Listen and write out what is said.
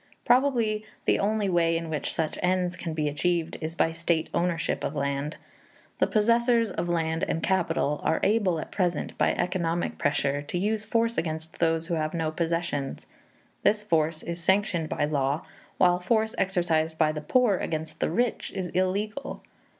Probably the only way in which such ends can be achieved is by state ownership of land. The possessors of land and capital are able at present, by economic pressure, to use force against those who have no possessions. This force is sanctioned by law, while force exercised by the poor against the rich is illegal.